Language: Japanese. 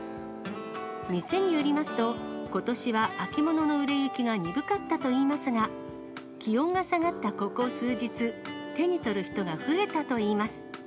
店によりますと、ことしは秋物の売れ行きが鈍かったといいますが、気温が下がったここ数日、手に取る人が増えたといいます。